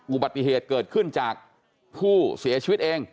อุบัติเหตุเกิดขึ้นจากผู้เสียชีวิตเอง